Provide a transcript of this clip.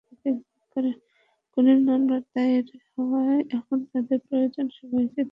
খুনের মামলা দায়ের হওয়ায় এখন যাদের প্রয়োজন, সবাইকেই জেরা করা হবে।